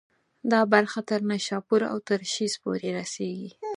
دا برخه تر نیشاپور او ترشیز پورې رسېږي.